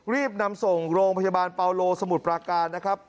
รีบนำส่งโรงพยาบาลปาโลสมุทรปราการนะครับ